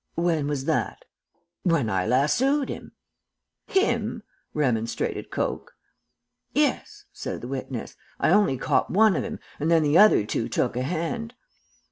"'When was that?' "'When I lassoed him.' "'Him?' remonstrated Coke. "'Yes,' said the witness. 'I only caught one of him, and then the other two took a hand.'